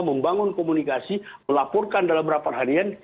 membangun komunikasi melaporkan dalam rapat harian